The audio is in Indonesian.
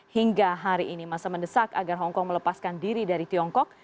hingga hari ini masa mendesak agar hongkong melepaskan diri dari tiongkok